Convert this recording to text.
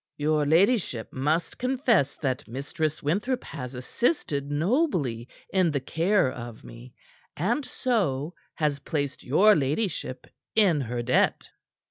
"Your ladyship must confess that Mistress Winthrop has assisted nobly in the care of me, and so, has placed your ladyship in her debt."